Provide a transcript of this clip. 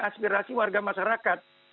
aspirasi warga masyarakat